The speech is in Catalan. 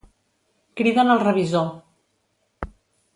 Criden el revisor.